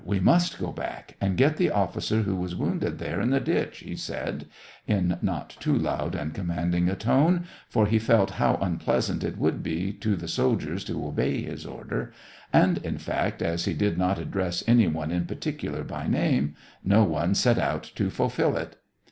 we must go back — and get the officer who was wounded there in the ditch," he said, in not too loud and commanding a tone, for he felt how unpleasant it would be to the soldiers to obey his order, — and, in fact, as he did not address any one in particular by name, no one set out to fulfil it.